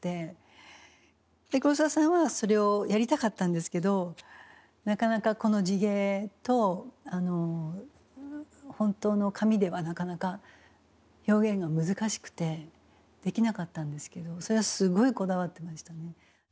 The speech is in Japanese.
黒澤さんはそれをやりたかったんですけどなかなかこの地毛とあの本当の髪ではなかなか表現が難しくてできなかったんですけどそれはすごいこだわってましたね。